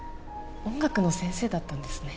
音楽の先生だったんですね